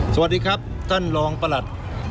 สวัสดีครับท่านรองประหลัด